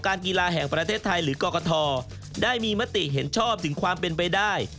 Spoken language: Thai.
กีฬาแห่งประเทศไทยหรือกรกฐได้มีมติเห็นชอบถึงความเป็นไปได้